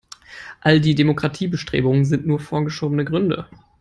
All die Demokratiebestrebungen sind nur vorgeschobene Gründe.